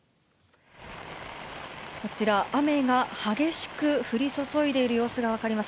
こちら、雨が激しく降り注いでいる様子が分かります。